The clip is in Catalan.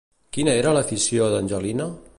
Quina era l'afició d'Angelina?